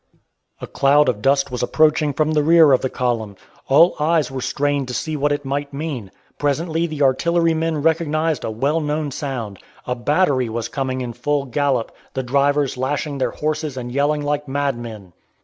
A cloud of dust was approaching from the rear of the column. All eyes were strained to see what it might mean. Presently the artillerymen recognized a well known sound. A battery was coming in full gallop, the drivers lashing their horses and yelling like madmen.